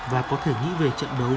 và có thể nghĩ về trận đấu